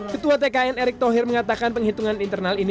ketua tkn erick thohir mengatakan penghitungan internal ini